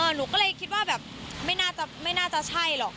หนูก็เลยคิดว่าแบบไม่น่าจะใช่หรอก